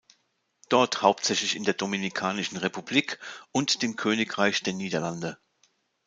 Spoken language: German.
Dort hauptsächlich in der Dominikanischen Republik und dem Königreich der Niederlande.